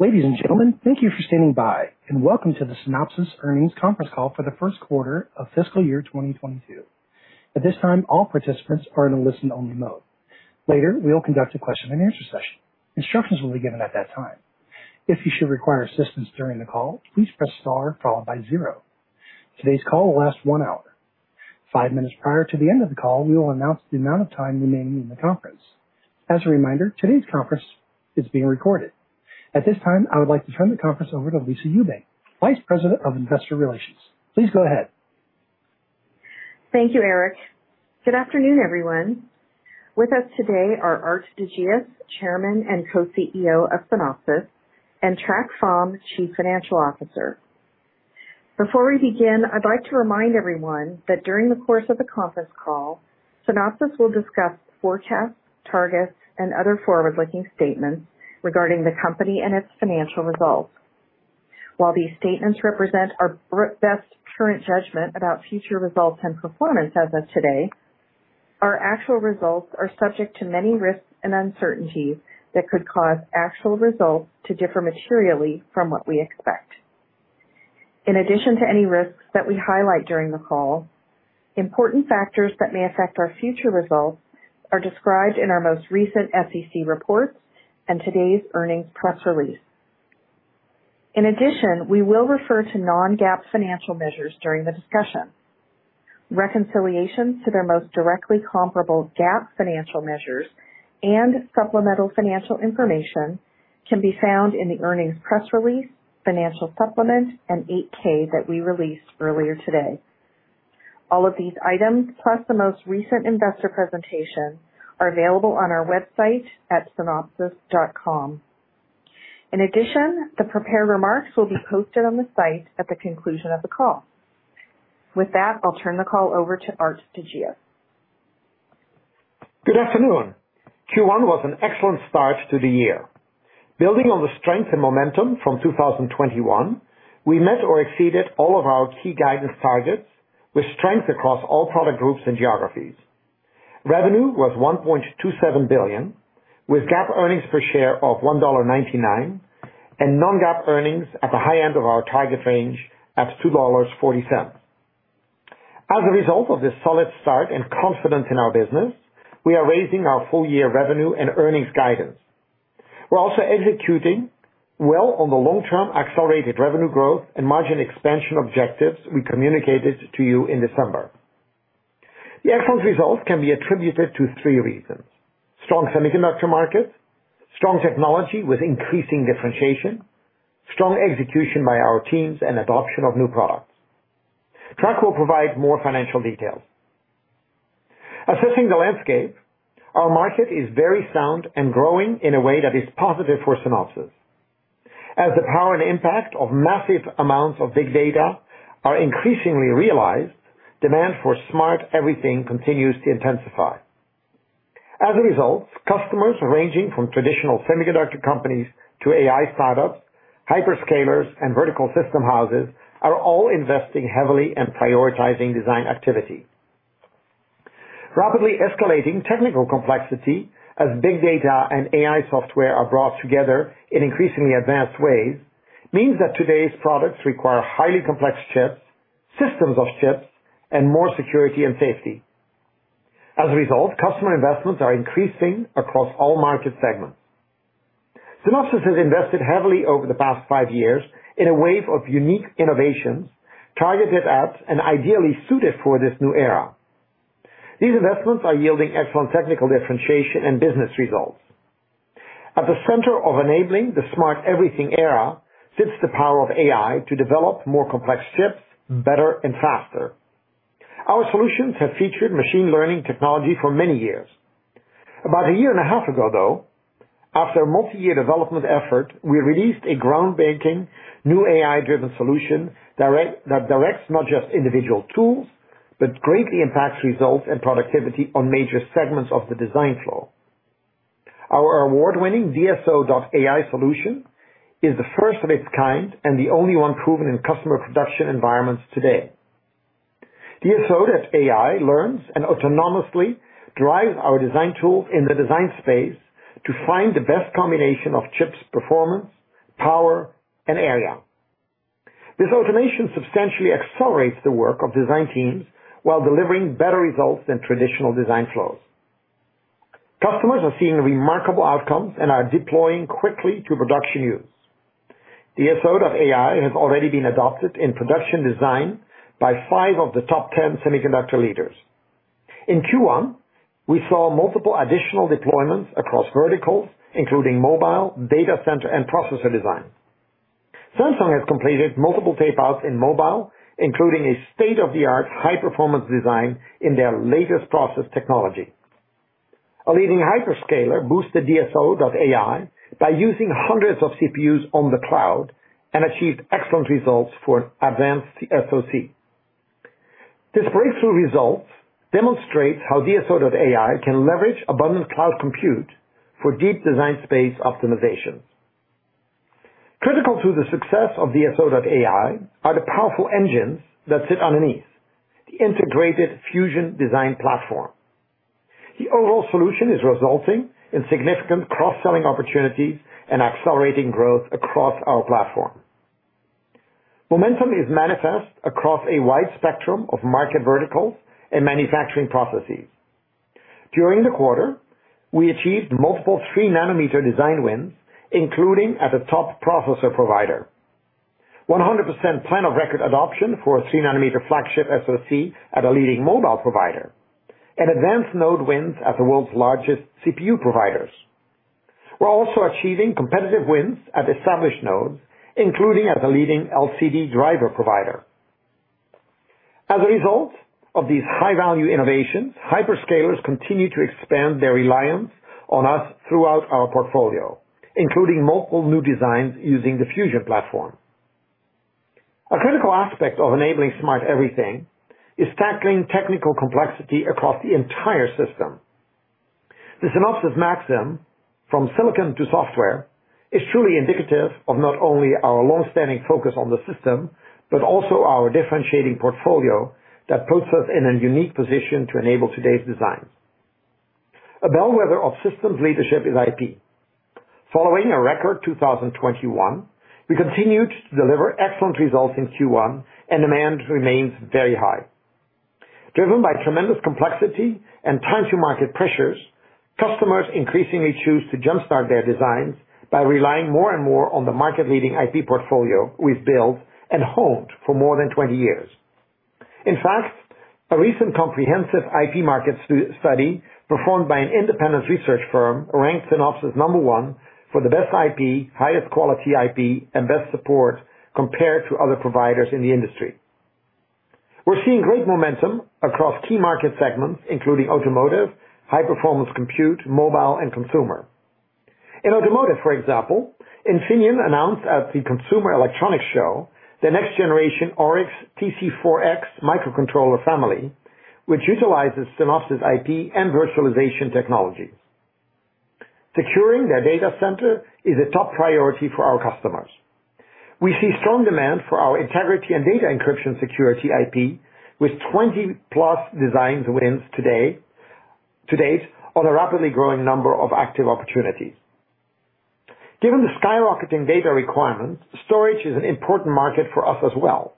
Ladies and gentlemen, thank you for standing by, and welcome to the Synopsys Earnings Conference Call for the first quarter of fiscal year 2022. At this time, all participants are in a listen only mode. Later, we will conduct a question-and-answer session. Instructions will be given at that time. If you should require assistance during the call, please press Star followed by zero. Today's call will last one hour. Five minutes prior to the end of the call, we will announce the amount of time remaining in the conference. As a reminder, today's conference is being recorded. At this time, I would like to turn the conference over to Lisa Ewbank, Vice President of Investor Relations. Please go ahead. Thank you, Eric. Good afternoon, everyone. With us today are Aart de Geus, Chairman and Co-CEO of Synopsys, and Trac Pham, Chief Financial Officer. Before we begin, I'd like to remind everyone that during the course of the conference call, Synopsys will discuss forecasts, targets, and other forward-looking statements regarding the company and its financial results. While these statements represent our best current judgment about future results and performance as of today, our actual results are subject to many risks and uncertainties that could cause actual results to differ materially from what we expect. In addition to any risks that we highlight during the call, important factors that may affect our future results are described in our most recent SEC reports and today's earnings press release. In addition, we will refer to non-GAAP financial measures during the discussion. Reconciliation to their most directly comparable GAAP financial measures and supplemental financial information can be found in the earnings press release, financial supplement, and 8-K that we released earlier today. All of these items, plus the most recent investor presentation, are available on our website at synopsys.com. In addition, the prepared remarks will be posted on the site at the conclusion of the call. With that, I'll turn the call over to Aart de Geus. Good afternoon. Q1 was an excellent start to the year. Building on the strength and momentum from 2021, we met or exceeded all of our key guidance targets with strength across all product groups and geographies. Revenue was $1.27 billion, with GAAP earnings per share of $1.99, and non-GAAP earnings at the high end of our target range at $2.40. As a result of this solid start and confidence in our business, we are raising our full year revenue and earnings guidance. We're also executing well on the long-term accelerated revenue growth and margin expansion objectives we communicated to you in December. The excellent results can be attributed to three reasons. Strong semiconductor markets, strong technology with increasing differentiation, strong execution by our teams, and adoption of new products. Trac will provide more financial details. Assessing the landscape, our market is very sound and growing in a way that is positive for Synopsys. As the power and impact of massive amounts of big data are increasingly realized, demand for smart everything continues to intensify. As a result, customers ranging from traditional semiconductor companies to AI startups, hyperscalers, and vertical system houses are all investing heavily and prioritizing design activity. Rapidly escalating technical complexity as big data and AI software are brought together in increasingly advanced ways means that today's products require highly complex chips, systems of chips, and more security and safety. As a result, customer investments are increasing across all market segments. Synopsys has invested heavily over the past five years in a wave of unique innovations targeted at and ideally suited for this new era. These investments are yielding excellent technical differentiation and business results. At the center of enabling the smart everything era sits the power of AI to develop more complex chips better and faster. Our solutions have featured machine learning technology for many years. About a year and a half ago, though, after a multi-year development effort, we released a groundbreaking new AI-driven solution that directs not just individual tools, but greatly impacts results and productivity on major segments of the design flow. Our award-winning DSO.ai solution is the first of its kind and the only one proven in customer production environments today. DSO.ai learns and autonomously drives our design tool in the design space to find the best combination of chip performance, power, and area. This automation substantially accelerates the work of design teams while delivering better results than traditional design flows. Customers are seeing remarkable outcomes and are deploying quickly to production use. DSO.ai has already been adopted in production design by five of the top 10 semiconductor leaders. In Q1, we saw multiple additional deployments across verticals, including mobile, data center, and processor design. Samsung has completed multiple tape outs in mobile, including a state-of-the-Aart high-performance design in their latest process technology. A leading hyperscaler boosted DSO.ai by using hundreds of CPUs on the cloud and achieved excellent results for advanced SoC. These breakthrough results demonstrate how DSO.ai can leverage abundant cloud compute for deep design space optimization. Critical to the success of DSO.ai are the powerful engines that sit underneath the integrated fusion design platform. The overall solution is resulting in significant cross-selling opportunities and accelerating growth across our platform. Momentum is manifest across a wide spectrum of market verticals and manufacturing processes. During the quarter, we achieved multiple 3 nm design wins, including at a top processor provider. 100% plan of record adoption for a 3-nm flagship SoC at a leading mobile provider, and advanced node wins at the world's largest CPU providers. We're also achieving competitive wins at established nodes, including as a leading LCD driver provider. As a result of these high-value innovations, hyperscalers continue to expand their reliance on us throughout our portfolio, including multiple new designs using the Fusion platform. A critical aspect of enabling Smart Everything is tackling technical complexity across the entire system. The Synopsys maxim, from silicon to software, is truly indicative of not only our long-standing focus on the system, but also our differentiating portfolio that puts us in a unique position to enable today's designs. A bellwether of systems leadership is IP. Following a record 2021, we continued to deliver excellent results in Q1, and demand remains very high. Driven by tremendous complexity and time to market pressures, customers increasingly choose to jumpstart their designs by relying more and more on the market-leading IP portfolio we've built and honed for more than 20 years. In fact, a recent comprehensive IP market study performed by an independent research firm ranked Synopsys number one for the best IP, highest quality IP, and best support compared to other providers in the industry. We're seeing great momentum across key market segments, including automotive, high-performance compute, mobile, and consumer. In automotive, for example, Infineon announced at the Consumer Electronics Show the next generation AURIX TC4x microcontroller family, which utilizes Synopsys IP and virtualization technologies. Securing their data center is a top priority for our customers. We see strong demand for our integrity and data encryption security IP, with 20+ design wins to date, on a rapidly growing number of active opportunities. Given the skyrocketing data requirements, storage is an important market for us as well.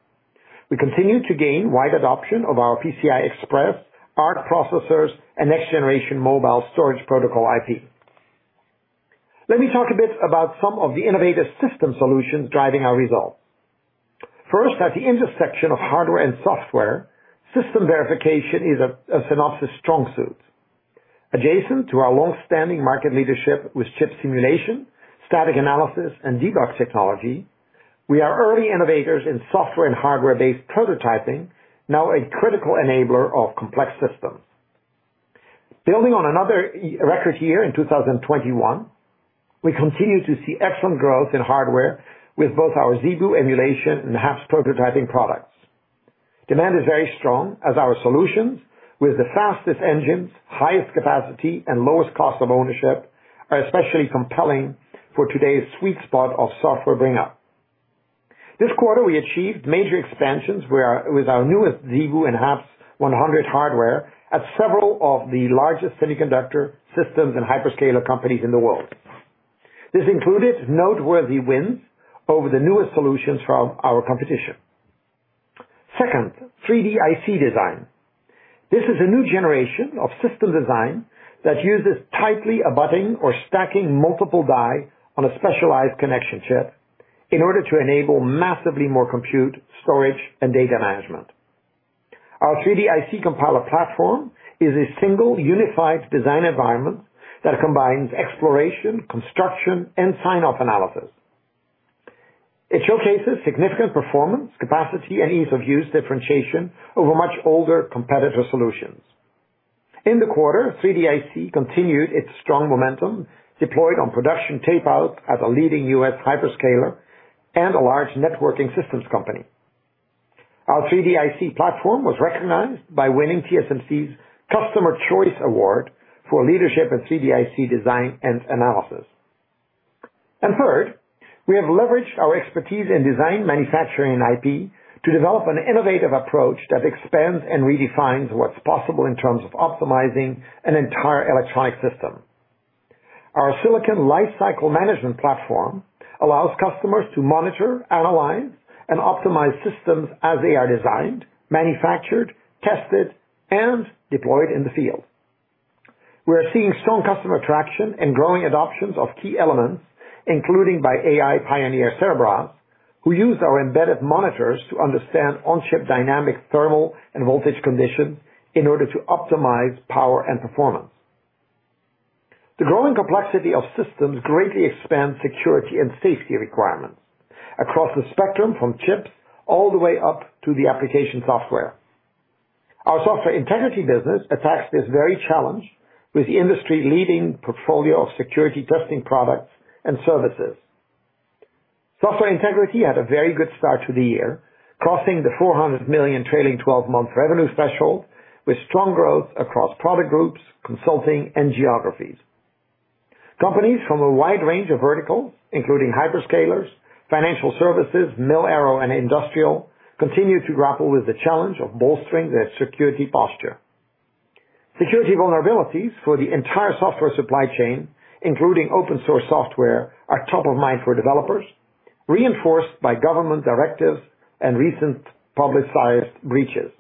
We continue to gain wide adoption of our PCI Express ARC processors and next-generation mobile storage protocol IP. Let me talk a bit about some of the innovative system solutions driving our results. First, at the intersection of hardware and software, system verification is a Synopsys strong suit. Adjacent to our long-standing market leadership with chip simulation, static analysis, and debug technology, we are early innovators in software and hardware-based prototyping, now a critical enabler of complex systems. Building on another record year in 2021, we continue to see excellent growth in hardware with both our ZeBu emulation and HAPS prototyping products. Demand is very strong as our solutions, with the fastest engines, highest capacity, and lowest cost of ownership, are especially compelling for today's sweet spot of software bring up. This quarter, we achieved major expansions with our newest ZeBu and HAPS-100 hardware at several of the largest semiconductor systems and hyperscaler companies in the world. This included noteworthy wins over the newest solutions from our competition. Second, 3D IC design. This is a new generation of system design that uses tightly abutting or stacking multiple die on a specialized connection chip in order to enable massively more compute, storage, and data management. Our 3D IC Compiler platform is a single unified design environment that combines exploration, construction, and sign-off analysis. It showcases significant performance, capacity, and ease-of-use differentiation over much older competitor solutions. In the quarter, 3D IC continued its strong momentum, deployed on production tape-out at a leading U.S. hyperscaler and a large networking systems company. Our 3D IC platform was recognized by winning TSMC's Customer Choice Award for leadership in 3D IC design and analysis. Third, we have leveraged our expertise in design manufacturing and IP to develop an innovative approach that expands and redefines what's possible in terms of optimizing an entire electronic system. Our Silicon Lifecycle Management platform allows customers to monitor, analyze, and optimize systems as they are designed, manufactured, tested, and deployed in the field. We are seeing strong customer traction and growing adoptions of key elements, including by AI pioneer Cerebras, who use our embedded monitors to understand on-chip dynamic thermal and voltage conditions in order to optimize power and performance. The growing complexity of systems greatly expand security and safety requirements across the spectrum from chips all the way up to the application software. Our Software Integrity business attacks this very challenge with the industry-leading portfolio of security testing products and services. Software Integrity had a very good start to the year, crossing the $400 million trailing 12-month revenue threshold with strong growth across product groups, consulting, and geographies. Companies from a wide range of verticals, including hyperscalers, financial services, mil-aero, and industrial, continue to grapple with the challenge of bolstering their security posture. Security vulnerabilities for the entire software supply chain, including open source software, are top of mind for developers, reinforced by government directives and recent publicized breaches.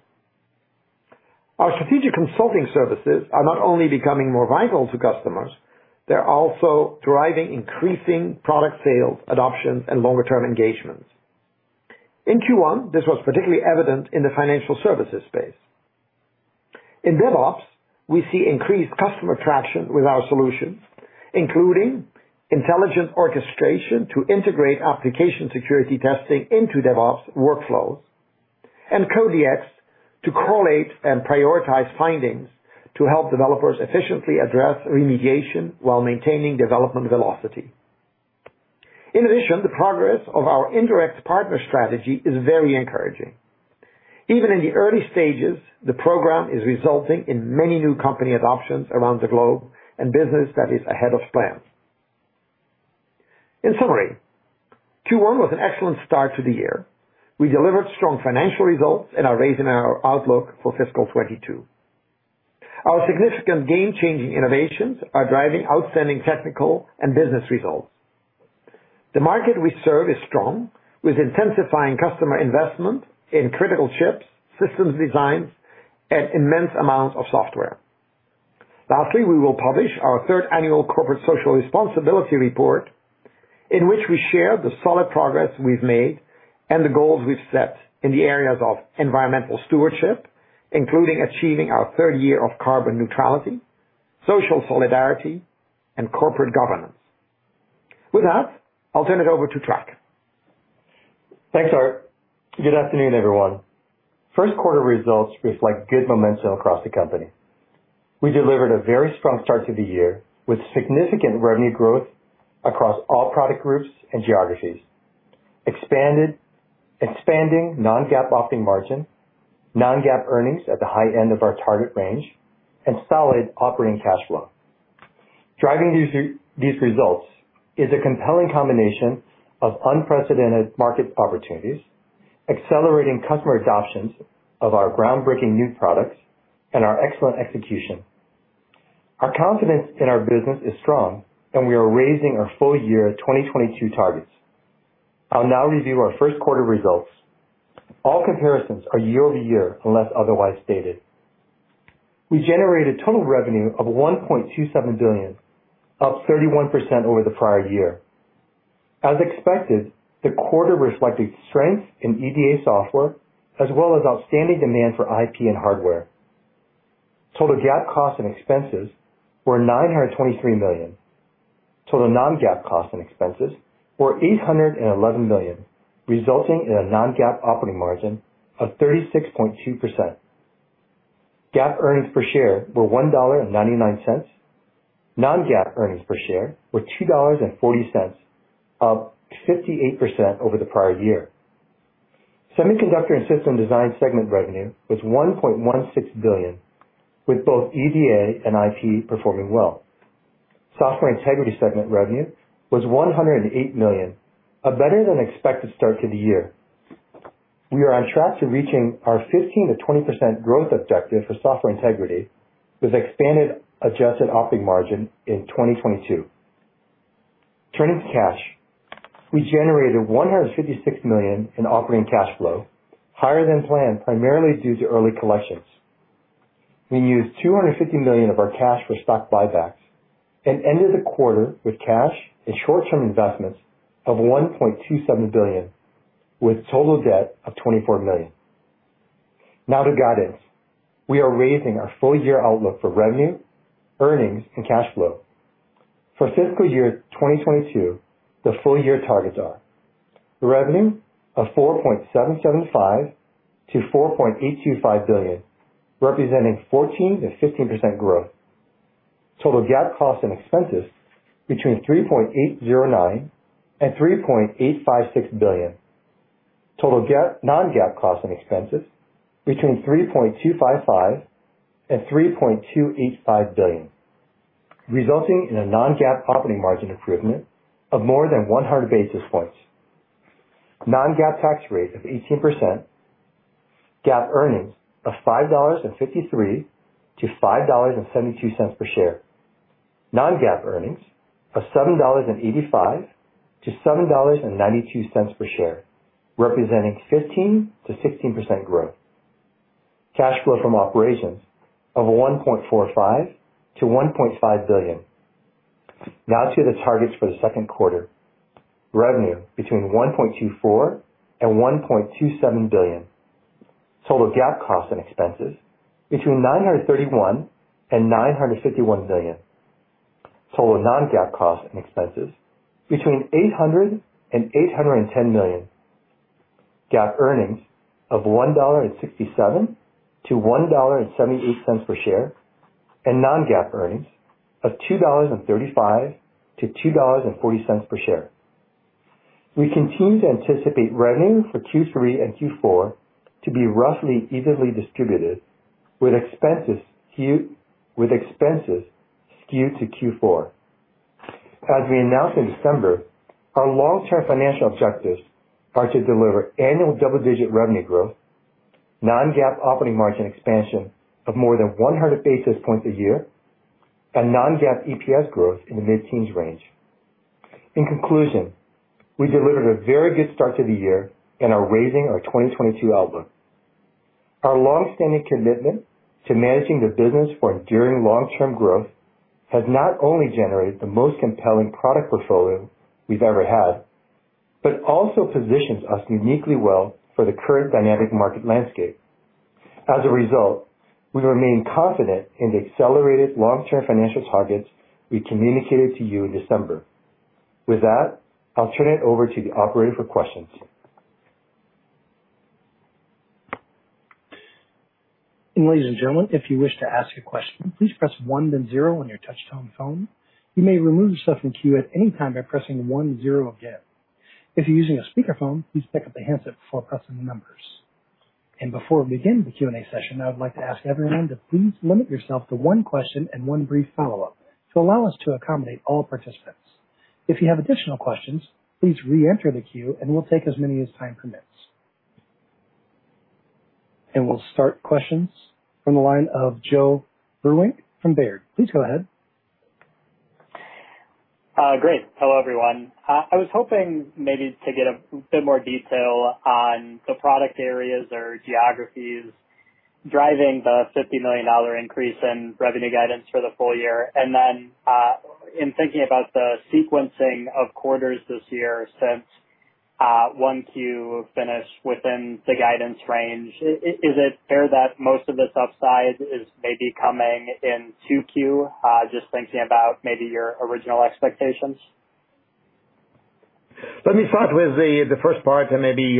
Our strategic consulting services are not only becoming more vital to customers, they're also driving increasing product sales, adoption, and longer-term engagements. In Q1, this was particularly evident in the financial services space. In DevOps, we see increased customer traction with our solutions, including intelligent orchestration to integrate application security testing into DevOps workflows and Code Dx to correlate and prioritize findings to help developers efficiently address remediation while maintaining development velocity. In addition, the progress of our indirect partner strategy is very encouraging. Even in the early stages, the program is resulting in many new company adoptions around the globe and business that is ahead of plan. In summary, Q1 was an excellent start to the year. We delivered strong financial results and are raising our outlook for fiscal 2022. Our significant game-changing innovations are driving outstanding technical and business results. The market we serve is strong, with intensifying customer investment in critical chips, systems designs, and immense amounts of software. Lastly, we will publish our third annual corporate social responsibility report, in which we share the solid progress we've made and the goals we've set in the areas of environmental stewardship, including achieving our third year of carbon neutrality, social solidarity, and corporate governance. With that, I'll turn it over to Trac. Thanks, Art. Good afternoon, everyone. First quarter results reflect good momentum across the company. We delivered a very strong start to the year with significant revenue growth across all product groups and geographies, expanding non-GAAP operating margin, non-GAAP earnings at the high end of our target range, and solid operating cash flow. Driving these results is a compelling combination of unprecedented market opportunities, accelerating customer adoptions of our groundbreaking new products, and our excellent execution. Our confidence in our business is strong, and we are raising our full-year 2022 targets. I'll now review our first quarter results. All comparisons are year-over-year unless otherwise stated. We generated total revenue of $1.27 billion, up 31% over the prior year. As expected, the quarter reflected strength in EDA software, as well as outstanding demand for IP and hardware. Total GAAP costs and expenses were $923 million. Total non-GAAP costs and expenses were $811 million, resulting in a non-GAAP operating margin of 36.2%. GAAP earnings per share were $1.99. Non-GAAP earnings per share were $2.40, up 58% over the prior year. Semiconductor & System Design segment revenue was $1.16 billion, with both EDA and IP performing well. Software Integrity segment revenue was $108 million, a better than expected start to the year. We are on track to reaching our 15%-20% growth objective for Software Integrity with expanded adjusted operating margin in 2022. Turning to cash. We generated $156 million in operating cash flow, higher than planned, primarily due to early collections. We used $250 million of our cash for stock buybacks and ended the quarter with cash and short-term investments of $1.27 billion, with total debt of $24 million. Now to guidance. We are raising our full year outlook for revenue, earnings, and cash flow. For fiscal year 2022, the full year targets are revenue of $4.775 billion-$4.825 billion, representing 14%-15% growth. Total GAAP costs and expenses between $3.809 billion and $3.856 billion. Total GAAP-non-GAAP costs and expenses between $3.255 billion and $3.285 billion, resulting in a non-GAAP operating margin improvement of more than 100 basis points. Non-GAAP tax rate of 18%. GAAP earnings of $5.53-$5.72 per share. Non-GAAP earnings of $7.85-$7.92 per share, representing 15%-16% growth. Cash flow from operations of $1.45 billion-$1.5 billion. Now to the targets for the second quarter. Revenue between $1.24 billion and $1.27 billion. Total GAAP costs and expenses between $931 million and $951 million. Total non-GAAP costs and expenses between $800 million and $810 million. GAAP earnings of $1.67-$1.78 per share. Non-GAAP earnings of $2.35-$2.40 per share. We continue to anticipate revenue for Q3 and Q4 to be roughly evenly distributed, with expenses skewed to Q4. As we announced in December, our long-term financial objectives are to deliver annual double-digit revenue growth, non-GAAP operating margin expansion of more than 100 basis points a year, and non-GAAP EPS growth in the mid-teens range. In conclusion, we delivered a very good start to the year and are raising our 2022 outlook. Our long-standing commitment to managing the business for enduring long-term growth has not only generated the most compelling product portfolio we've ever had, but also positions us uniquely well for the current dynamic market landscape. As a result, we remain confident in the accelerated long-term financial targets we communicated to you in December. With that, I'll turn it over to the operator for questions. Ladies and gentlemen, if you wish to ask a question, please press one then zero on your touchtone phone. You may remove yourself from the queue at any time by pressing one zero again. If you're using a speakerphone, please pick up the handset before pressing the numbers. Before we begin the Q&A session, I would like to ask everyone to please limit yourself to one question and one brief follow-up to allow us to accommodate all participants. If you have additional questions, please re-enter the queue and we'll take as many as time permits. We'll start questions from the line of Joe Vruwink from Baird. Please go ahead. Great. Hello, everyone. I was hoping maybe to get a bit more detail on the product areas or geographies driving the $50 million increase in revenue guidance for the full year. Then, in thinking about the sequencing of quarters this year since Q1 finished within the guidance range, is it fair that most of this upside is maybe coming in Q2, just thinking about maybe your original expectations? Let me start with the first part and maybe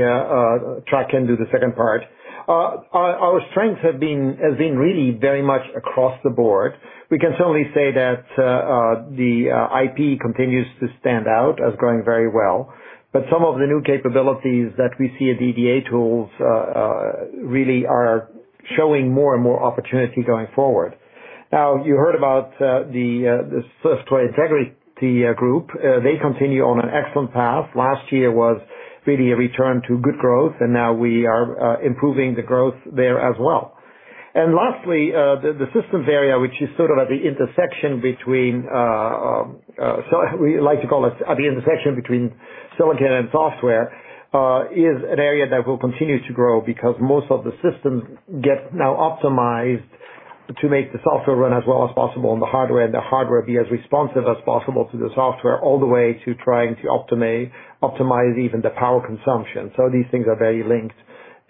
track into the second part. Our strengths have been really very much across the board. We can certainly say that the IP continues to stand out as growing very well, but some of the new capabilities that we see at EDA tools really are showing more and more opportunity going forward. Now, you heard about the Software Integrity Group. They continue on an excellent path. Last year was really a return to good growth, and now we are improving the growth there as well. Lastly, the systems area, which we like to call at the intersection between silicon and software, is an area that will continue to grow because most of the systems get now optimized to make the software run as well as possible and the hardware be as responsive as possible to the software all the way to trying to optimize even the power consumption. These things are very linked,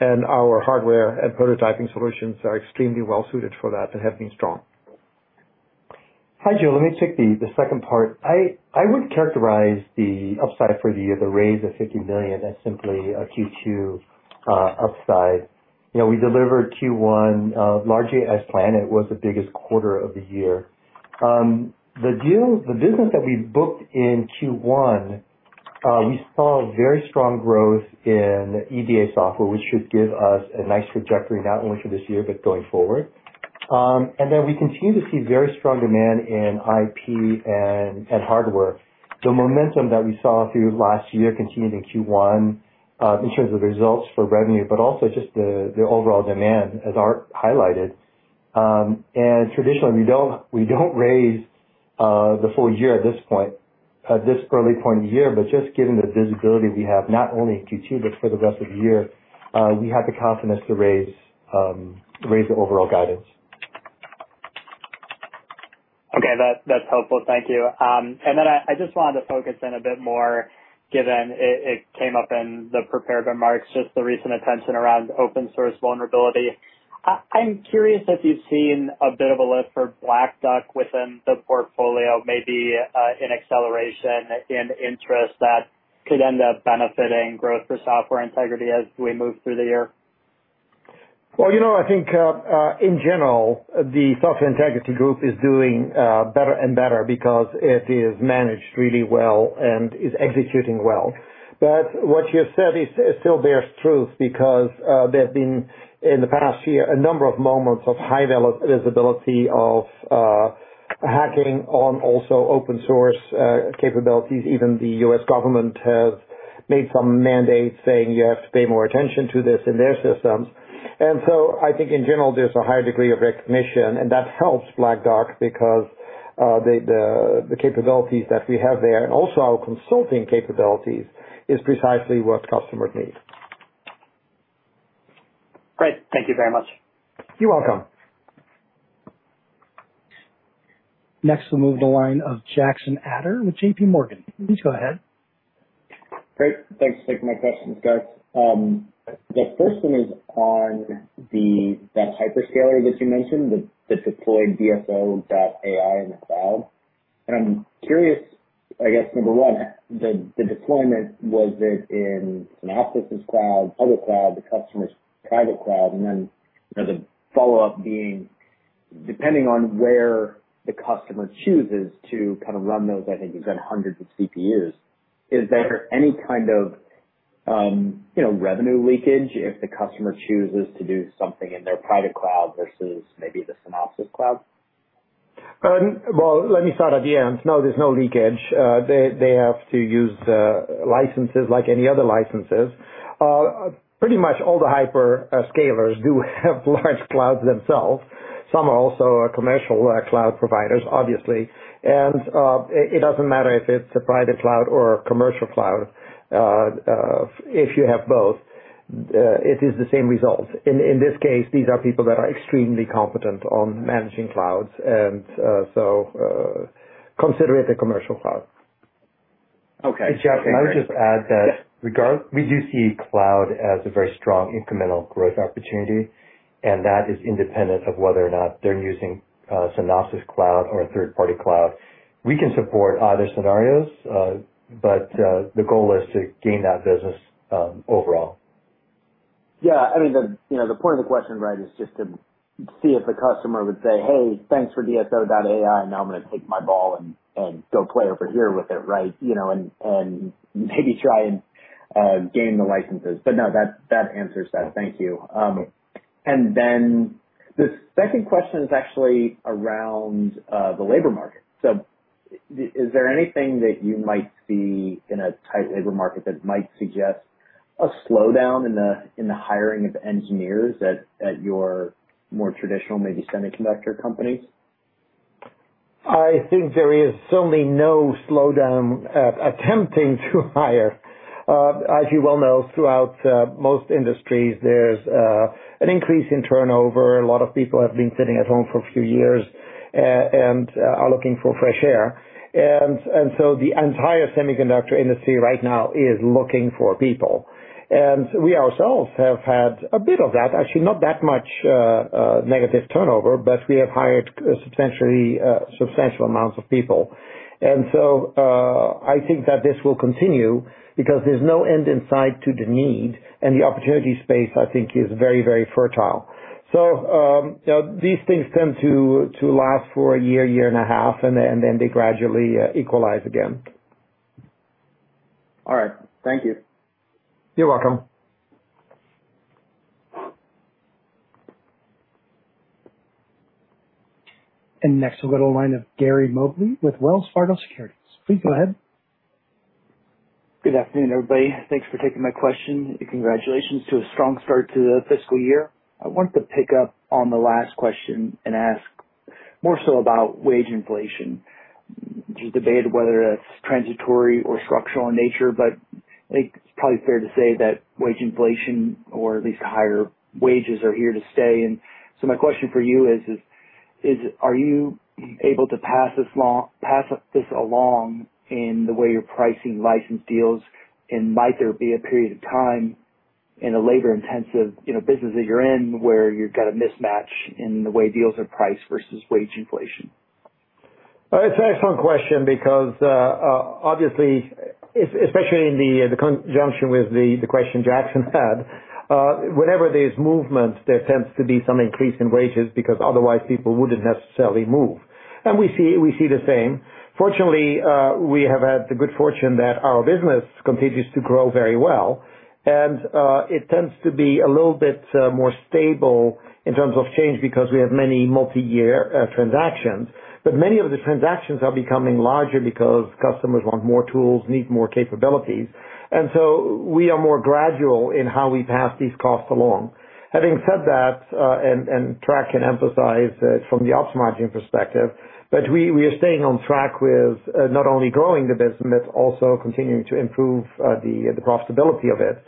and our hardware and prototyping solutions are extremely well suited for that and have been strong. Hi, Joe. Let me take the second part. I would characterize the upside for the year, the raise of $50 million as simply a Q2 upside. You know, we delivered Q1 largely as planned. It was the biggest quarter of the year. The business that we booked in Q1, we saw very strong growth in EDA software, which should give us a nice trajectory not only for this year but going forward. We continue to see very strong demand in IP and hardware. The momentum that we saw through last year continued in Q1 in terms of results for revenue, but also just the overall demand as Aart highlighted. Traditionally we don't raise the full year at this point, at this early point in the year, but just given the visibility we have not only in Q2 but for the rest of the year, we have the confidence to raise the overall guidance. Okay. That's helpful. Thank you. I just wanted to focus in a bit more given it came up in the prepared remarks, just the recent attention around open-source vulnerability. I'm curious if you've seen a bit of a lift for Black Duck within the portfolio, maybe an acceleration in interest that could end up benefiting growth for Software Integrity as we move through the year. Well, you know, I think, in general, the Software Integrity Group is doing better and better because it is managed really well and is executing well. What you said is, it still bears truth because, there have been in the past year a number of moments of high visibility of hacking on also open source capabilities. Even the U.S. government has made some mandates saying you have to pay more attention to this in their systems. I think in general, there's a high degree of recognition, and that helps Black Duck because, the capabilities that we have there and also our consulting capabilities is precisely what customers need. Great. Thank you very much. You're welcome. Next we'll move to the line of Jackson Ader with JPMorgan. Please go ahead. Great. Thanks. Thanks for taking my questions, guys. The first one is on that hyperscaler that you mentioned, the deployed DSO.ai in the cloud. I'm curious, I guess number one, the deployment, was it in Synopsys' cloud, public cloud, the customer's private cloud? You know, the follow-up being- Depending on where the customer chooses to kind of run those, I think you've got hundreds of CPUs. Is there any kind of, you know, revenue leakage if the customer chooses to do something in their private cloud versus maybe the Synopsys cloud? Well, let me start at the end. No, there's no leakage. They have to use licenses like any other licenses. Pretty much all the hyperscalers do have large clouds themselves. Some are also commercial cloud providers, obviously. It doesn't matter if it's a private cloud or a commercial cloud. If you have both, it is the same result. In this case, these are people that are extremely competent in managing clouds and consider it a commercial cloud. Okay. Jackson, can I just add, in that regard, we do see cloud as a very strong incremental growth opportunity, and that is independent of whether or not they're using Synopsys Cloud or a third-party cloud. We can support other scenarios, but the goal is to gain that business overall. Yeah. I mean, the you know the point of the question, right, is just to see if the customer would say, "Hey, thanks for DSO.ai, now I'm gonna take my ball and go play over here with it," right? You know, and maybe try and gain the licenses. No, that answers that. Thank you. The second question is actually around the labor market. Is there anything that you might see in a tight labor market that might suggest a slowdown in the hiring of engineers at your more traditional, maybe semiconductor companies? I think there is certainly no slowdown attempting to hire. As you well know, throughout most industries, there's an increase in turnover. A lot of people have been sitting at home for a few years and are looking for fresh air. The entire semiconductor industry right now is looking for people. We ourselves have had a bit of that. Actually, not that much negative turnover, but we have hired substantially substantial amounts of people. I think that this will continue because there's no end in sight to the need, and the opportunity space, I think is very, very fertile. These things tend to last for a year and a half, and then they gradually equalize again. All right. Thank you. You're welcome. Next we'll go to the line of Gary Mobley with Wells Fargo Securities. Please go ahead. Good afternoon, everybody. Thanks for taking my question. Congratulations to a strong start to the fiscal year. I wanted to pick up on the last question and ask more so about wage inflation. There's a debate whether that's transitory or structural in nature, but I think it's probably fair to say that wage inflation or at least higher wages are here to stay. My question for you is, are you able to pass this along in the way you're pricing license deals, and might there be a period of time in the labor intensive, you know, business that you're in, where you've got a mismatch in the way deals are priced versus wage inflation? It's an excellent question because, obviously, especially in the conjunction with the question Jackson had, whenever there's movement, there tends to be some increase in wages because otherwise people wouldn't necessarily move. We see the same. Fortunately, we have had the good fortune that our business continues to grow very well, and it tends to be a little bit more stable in terms of change because we have many multi-year transactions. Many of the transactions are becoming larger because customers want more tools, need more capabilities, and so we are more gradual in how we pass these costs along. Having said that, and Track can emphasize from the ops margin perspective, but we are staying on track with not only growing the business, also continuing to improve the profitability of it.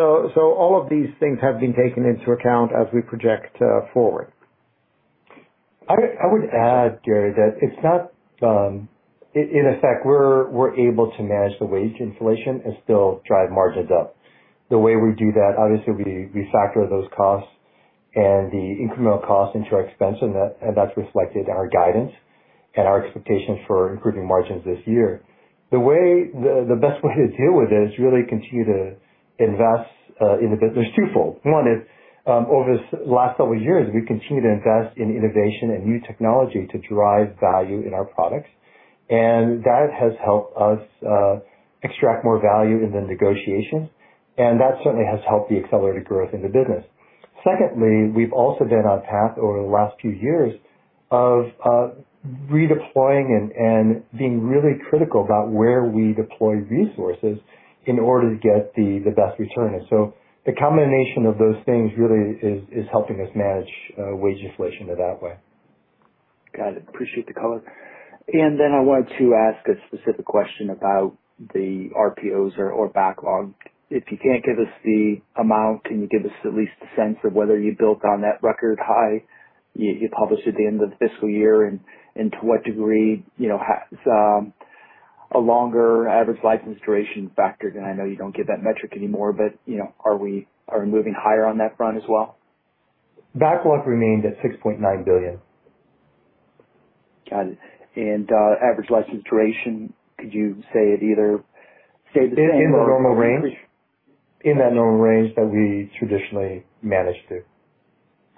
All of these things have been taken into account as we project forward. I would add, Gary, that it's not. In effect, we're able to manage the wage inflation and still drive margins up. The way we do that, obviously, we factor those costs and the incremental costs into our expense, and that's reflected in our guidance and our expectations for improving margins this year. The best way to deal with it is really to continue to invest in the business. There's twofold. One is over this last several years, we've continued to invest in innovation and new technology to drive value in our products, and that has helped us extract more value in the negotiations, and that certainly has helped the accelerated growth in the business. Secondly, we've also been on a path over the last few years of redeploying and being really critical about where we deploy resources in order to get the best return. The combination of those things really is helping us manage wage inflation in that way. Got it. Appreciate the color. Then I wanted to ask a specific question about the RPOs or backlog. If you can't give us the amount, can you give us at least a sense of whether you built on that record high you published at the end of the fiscal year and to what degree, you know, has a longer average license duration factor? I know you don't give that metric anymore, but, you know, are we moving higher on that front as well? Backlog remained at $6.9 billion. Got it. Average license duration, could you say it either stayed the same or- In the normal range. In that normal range that we traditionally manage to.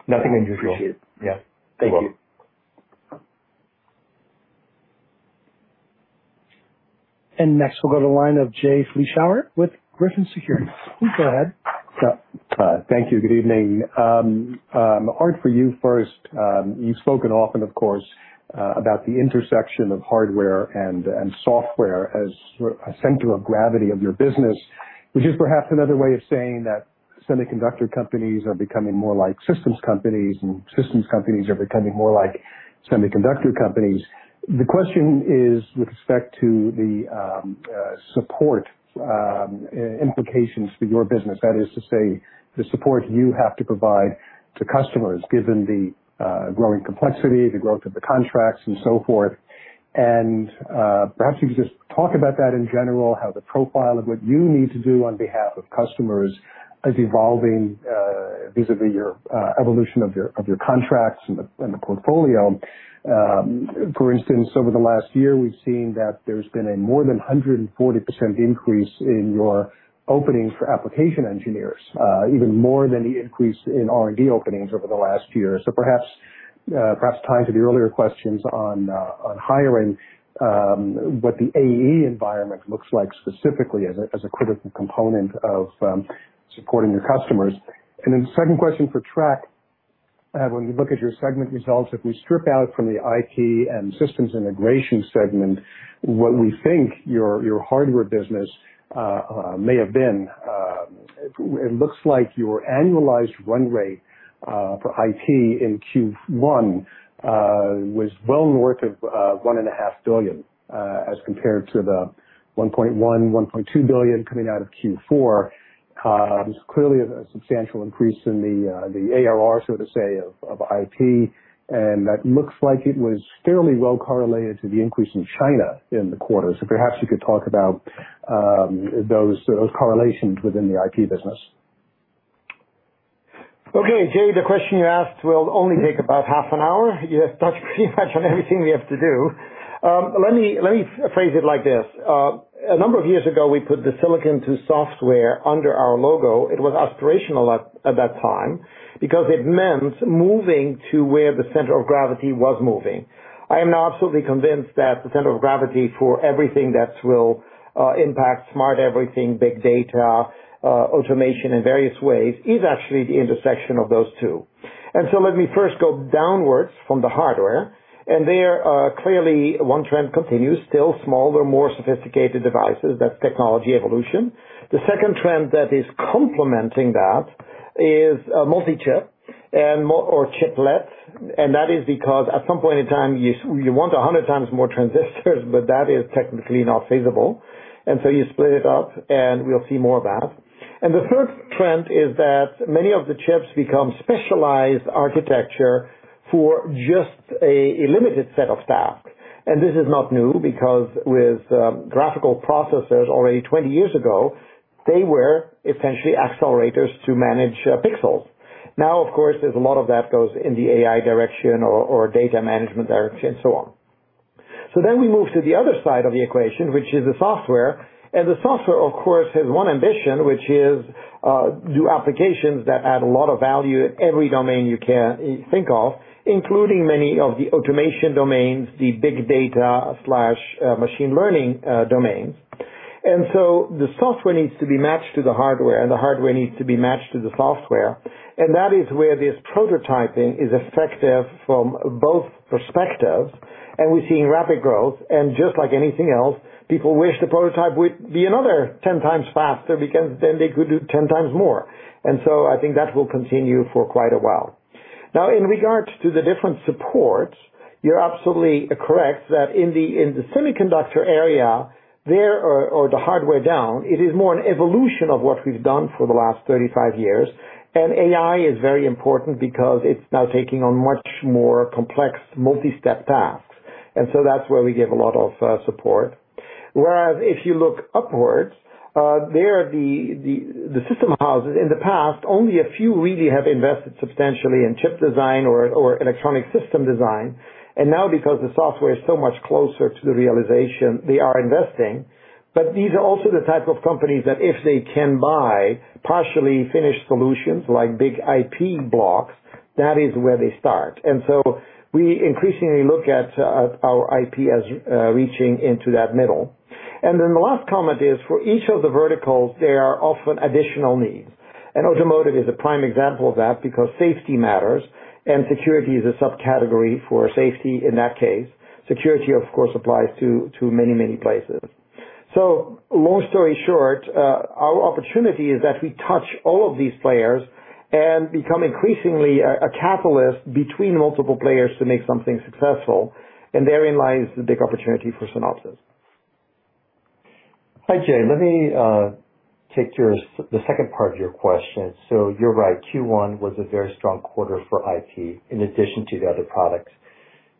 Nothing unusual. Appreciate it. Yeah. Thank you. You're welcome. Next we'll go to the line of Jay Vleeschhouwer with Griffin Securities. Please go ahead. Thank you. Good evening. Aart, for you first, you've spoken often, of course, about the intersection of hardware and software as a center of gravity of your business, which is perhaps another way of saying that semiconductor companies are becoming more like systems companies, and systems companies are becoming more like semiconductor companies. The question is with respect to the support implications for your business. That is to say, the support you have to provide to customers given the growing complexity, the growth of the contracts and so forth. Perhaps you could just talk about that in general, how the profile of what you need to do on behalf of customers is evolving, vis-a-vis your evolution of your contracts and the portfolio. For instance, over the last year, we've seen that there's been a more than 140% increase in your openings for application engineers, even more than the increase in R&D openings over the last year. Perhaps tied to the earlier questions on hiring, what the AE environment looks like specifically as a critical component of supporting your customers. The second question for Trac. When you look at your segment results, if we strip out from the IP and systems integration segment what we think your hardware business may have been, it looks like your annualized run rate for IP in Q1 was well north of $1.5 billion, as compared to the $1.1-$1.2 billion coming out of Q4. It's clearly a substantial increase in the ARR, so to say, of IP, and that looks like it was fairly well correlated to the increase in China in the quarter. Perhaps you could talk about those correlations within the IP business. Okay, Jay, the question you asked will only take about half an hour. You have touched pretty much on everything we have to do. Let me phrase it like this. A number of years ago, we put the silicon to software under our logo. It was aspirational at that time because it meant moving to where the center of gravity was moving. I am now absolutely convinced that the center of gravity for everything that will impact smart everything, big data, automation in various ways, is actually the intersection of those two. Let me first go downwards from the hardware, and there clearly one trend continues, still smaller, more sophisticated devices. That's technology evolution. The second trend that is complementing that is multi-chip or chiplets, and that is because at some point in time, you want 100 times more transistors, but that is technically not feasible. You split it up, and we'll see more of that. The third trend is that many of the chips become specialized architecture for just a limited set of tasks. This is not new because with graphical processors already 20 years ago, they were essentially accelerators to manage pixels. Now, of course, there's a lot of that goes in the AI direction or data management direction, and so on. We move to the other side of the equation, which is the software. The software, of course, has one ambition, which is, do applications that add a lot of value in every domain you can think of, including many of the automation domains, the big data, machine learning, domains. The software needs to be matched to the hardware, and the hardware needs to be matched to the software. That is where this prototyping is effective from both perspectives. We're seeing rapid growth. Just like anything else, people wish the prototype would be another 10 times faster because then they could do 10 times more. I think that will continue for quite a while. Now, in regard to the different supports, you're absolutely correct that in the, in the semiconductor area there, or the hardware down, it is more an evolution of what we've done for the last 35 years. AI is very important because it's now taking on much more complex multi-step tasks. That's where we give a lot of support. Whereas if you look upwards, there the system houses in the past, only a few really have invested substantially in chip design or electronic system design. Now because the software is so much closer to the realization they are investing, but these are also the type of companies that if they can buy partially finished solutions like big IP blocks, that is where they start. We increasingly look at our IP as reaching into that middle. The last comment is, for each of the verticals, there are often additional needs, and automotive is a prime example of that because safety matters and security is a subcategory for safety in that case. Security, of course, applies to many places. Long story short, our opportunity is that we touch all of these players and become increasingly a catalyst between multiple players to make something successful. Therein lies the big opportunity for Synopsys. Hi, Jay. Let me take the second part of your question. You're right, Q1 was a very strong quarter for IP in addition to the other products.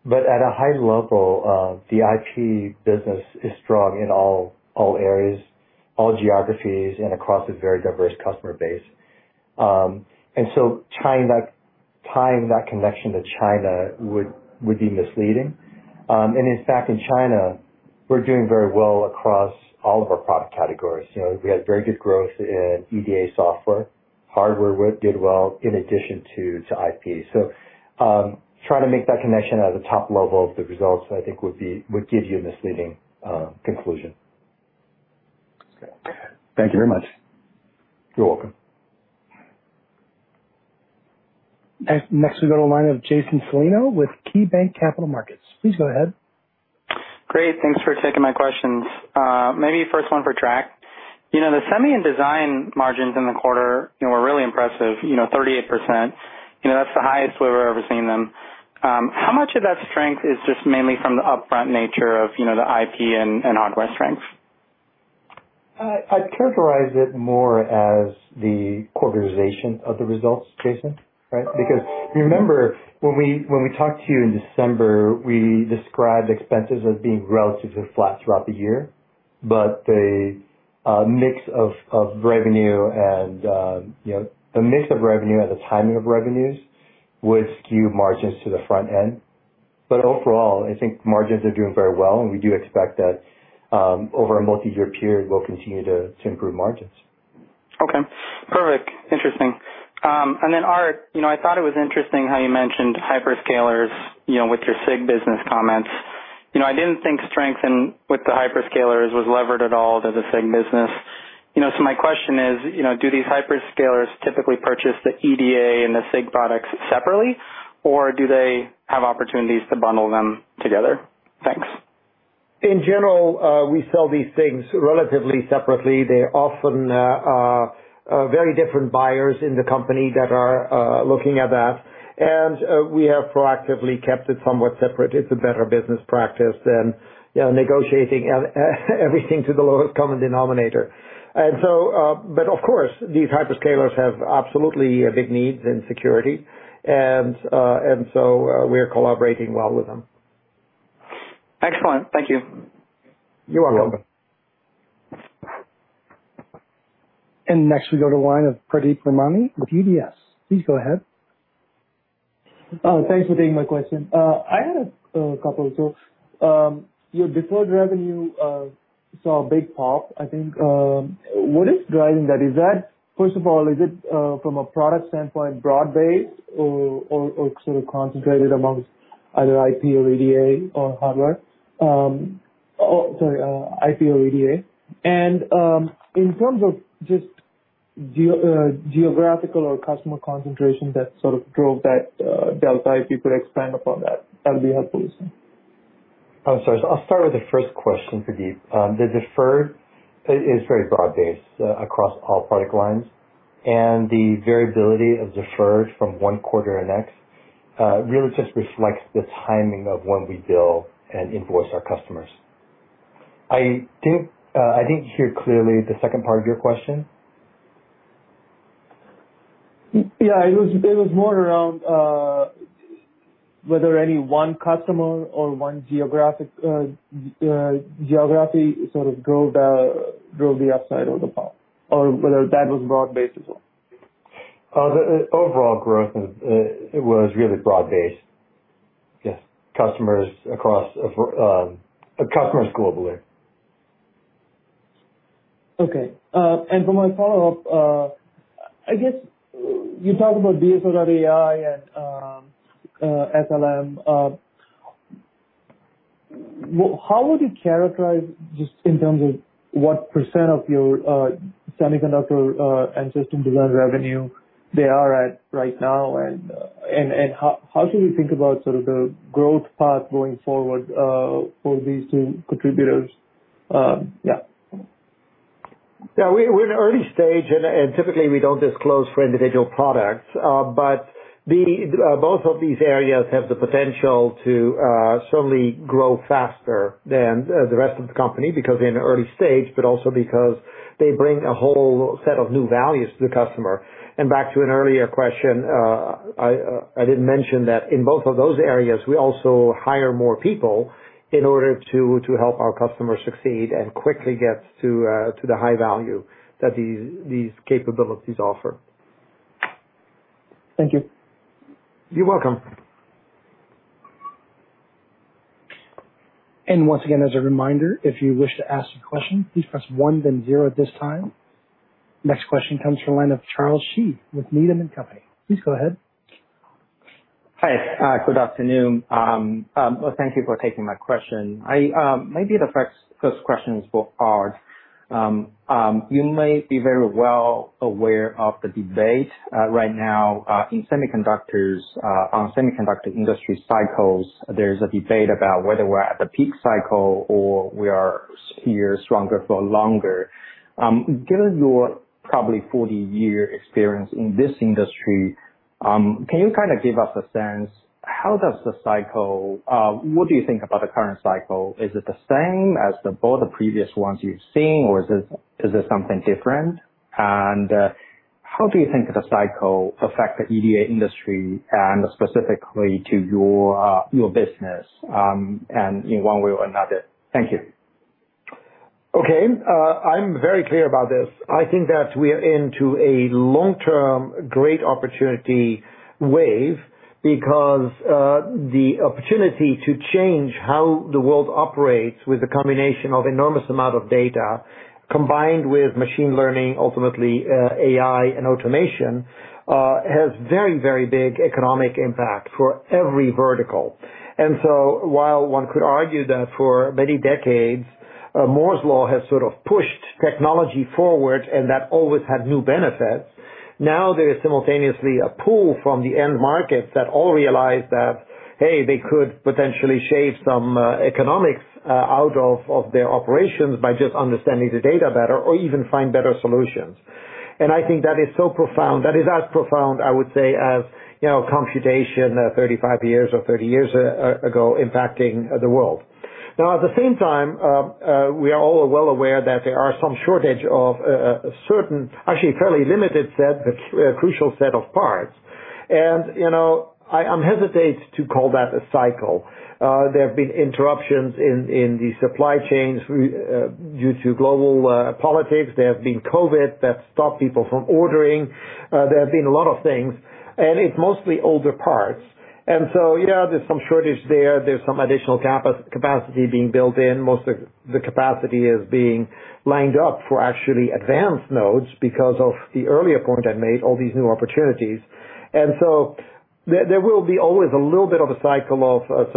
At a high level, the IP business is strong in all areas. All geographies and across a very diverse customer base. Tying that connection to China would be misleading. In fact, in China, we're doing very well across all of our product categories. You know, we had very good growth in EDA software. Hardware work did well in addition to IP. Trying to make that connection at the top level of the results, I think would give you a misleading conclusion. Thank you very much. You're welcome. Next, we go to a line of Jason Celino with KeyBanc Capital Markets. Please go ahead. Great. Thanks for taking my questions. Maybe first one for Trac. You know, the semi and design margins in the quarter, you know, were really impressive, you know, 38%. You know, that's the highest we've ever seen them. How much of that strength is just mainly from the upfront nature of, you know, the IP and hardware strength? I'd characterize it more as the quarterization of the results, Jason, right? Because remember when we talked to you in December, we described expenses as being relatively flat throughout the year. The mix of revenue and the timing of revenues would skew margins to the front end. Overall, I think margins are doing very well, and we do expect that over a multi-year period, we'll continue to improve margins. Okay, perfect. Interesting. Aart, you know, I thought it was interesting how you mentioned hyperscalers, you know, with your SIG business comments. You know, I didn't think strength with the hyperscalers was levered at all to the SIG business. You know, so my question is, you know, do these hyperscalers typically purchase the EDA and the SIG products separately, or do they have opportunities to bundle them together? Thanks. In general, we sell these things relatively separately. They often are very different buyers in the company that are looking at that. We have proactively kept it somewhat separate. It's a better business practice than you know negotiating everything to the lowest common denominator. But of course, these hyperscalers have absolutely big needs in security and so we're collaborating well with them. Excellent. Thank you. You're welcome. Next we go to the line of Pradeep Ramani with UBS. Please go ahead. Oh, thanks for taking my question. I had a couple or so. Your deferred revenue saw a big pop, I think. What is driving that? Is that first of all, is it from a product standpoint, broad-based or sort of concentrated amongst either IP or EDA or hardware? Or sorry, IP or EDA. In terms of just geographical or customer concentration that sort of drove that delta, if you could expand upon that'd be helpful. I'm sorry. I'll start with the first question, Pradeep. The deferred is very broad-based across all product lines, and the variability of deferred from one quarter to the next really just reflects the timing of when we bill and invoice our customers. I didn't hear clearly the second part of your question. Yeah, it was more around whether any one customer or one geography sort of drove the upside of the pop or whether that was broad-based as well. The overall growth is. It was really broad-based. Yes. Customers globally. Okay. For my follow-up, I guess you talked about DSO.ai and SLM. How would you characterize just in terms of what percent of your semiconductor and system design revenue they are at right now? How should we think about sort of the growth path going forward for these two contributors? Yeah, we're in early stage and typically we don't disclose for individual products. But both of these areas have the potential to certainly grow faster than the rest of the company because they're in the early stage, but also because they bring a whole set of new values to the customer. Back to an earlier question, I didn't mention that in both of those areas, we also hire more people in order to help our customers succeed and quickly get to the high value that these capabilities offer. Thank you. You're welcome. Once again, as a reminder, if you wish to ask a question, please press one then zero at this time. Next question comes from the line of Charles Shi with Needham & Company. Please go ahead. Hi. Good afternoon. Thank you for taking my question. My first question is for Aart. You may be very well aware of the debate right now in semiconductors on semiconductor industry cycles. There's a debate about whether we're at the peak cycle or we are here stronger for longer. Given your probably 40-year experience in this industry, can you kind of give us a sense of what you think about the current cycle? Is it the same as both previous ones you've seen, or is this something different? How do you think the cycle affect the EDA industry and specifically to your business, and in one way or another? Thank you. Okay. I'm very clear about this. I think that we are into a long-term, great opportunity wave because the opportunity to change how the world operates with a combination of enormous amount of data combined with machine learning, ultimately, AI and automation has very, very big economic impact for every vertical. While one could argue that for many decades, Moore's Law has sort of pushed technology forward and that always had new benefits, now there is simultaneously a pull from the end markets that all realize that, hey, they could potentially shave some economics out of their operations by just understanding the data better or even find better solutions. I think that is so profound. That is as profound, I would say, as, you know, computation 35 years or 30 years ago impacting the world. Now, at the same time, we are all well aware that there are some shortage of certain, actually fairly limited set, but crucial set of parts. You know, I'm hesitant to call that a cycle. There have been interruptions in the supply chains due to global politics. There have been COVID that stopped people from ordering. There have been a lot of things, and it's mostly older parts. You know, there's some shortage there. There's some additional capacity being built in. Most of the capacity is being lined up for actually advanced nodes because of the earlier point I made, all these new opportunities. There will be always a little bit of a cycle of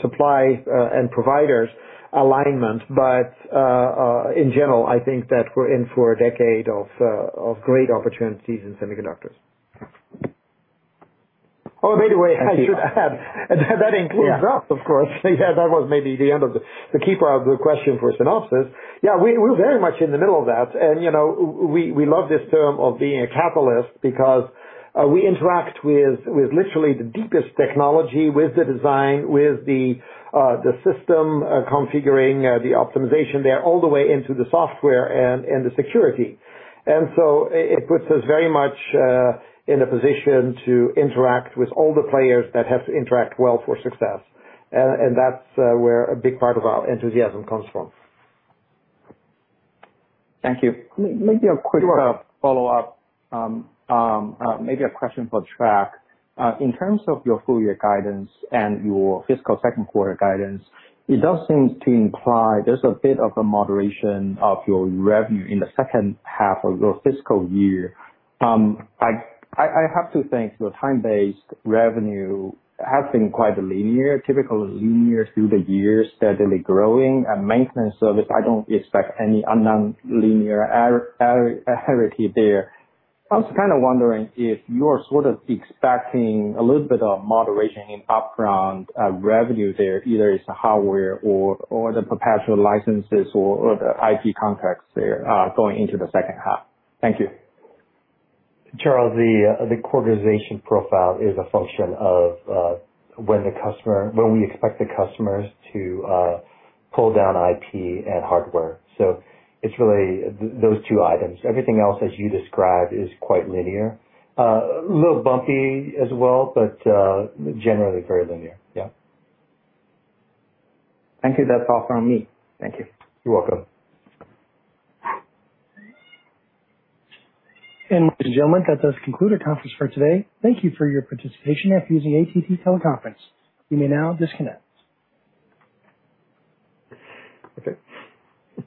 supply and providers alignment. In general, I think that we're in for a decade of great opportunities in semiconductors. Oh, by the way, I should add, and that includes us, of course. Yeah, that was maybe the end of the keeper of the question for Synopsys. Yeah, we're very much in the middle of that. You know, we love this term of being a capitalist because we interact with literally the deepest technology, with the design, with the system configuring, the optimization there all the way into the software and the security. So it puts us very much in a position to interact with all the players that have to interact well for success. That's where a big part of our enthusiasm comes from. Thank you. Maybe a quick follow-up. Maybe a question for Trac. In terms of your full-year guidance and your fiscal second quarter guidance, it does seem to imply there's a bit of a moderation of your revenue in the second half of your fiscal year. I have to think your time-based revenue has been quite linear, typically linear through the years, steadily growing. Maintenance service, I don't expect any unknown linearity there. I was kind of wondering if you're sort of expecting a little bit of moderation in upfront revenue there, either it's the hardware or the perpetual licenses or the IP contracts there, going into the second half. Thank you. Charles, the quarterly revenue profile is a function of when we expect the customers to pull down IP and hardware. It's really those two items. Everything else, as you described, is quite linear. A little bumpy as well, but generally very linear. Yeah. Thank you. That's all from me. Thank you. You're welcome. And ladies and gentlemen, that does conclude our conference for today. Thank you for your participation and for using AT&T Teleconference. You may now disconnect. Okay.